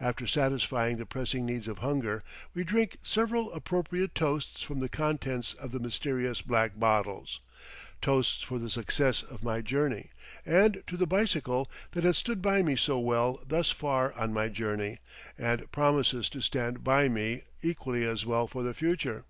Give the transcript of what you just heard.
After satisfying the pressing needs of hunger, we drink several appropriate toasts from the contents of the mysterious black bottles toasts for the success of my journey, and to the bicycle that has stood by me so well thus far on my journey, and promises to stand by me equally as well for the future.